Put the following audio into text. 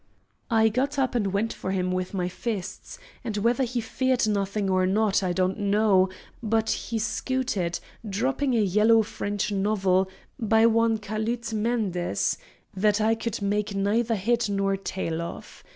I got up and went for him with my fists, and whether he feared nothing or not I don't know; but he scooted, dropping a yellow French novel, by one Catulle Mendes, that I could make neither head nor tail of.